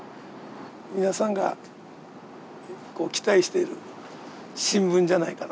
皆さんが期待している新聞じゃないかなと。